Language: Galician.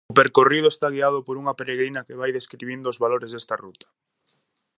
O percorrido está guiado por unha peregrina que vai describindo os valores desta ruta.